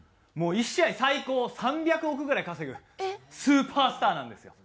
１試合最高３００億ぐらい稼ぐスーパースターなんですよ。